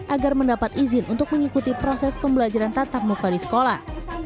agar mendapat izin untuk mengikuti proses pembelajaran tatap muka di sekolah